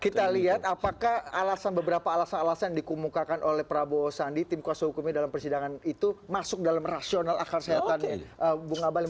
kita lihat apakah alasan beberapa alasan alasan yang dikumukakan oleh prabowo sandi tim kuasa hukumnya dalam persidangan itu masuk dalam rasional akar sehatan bunga balin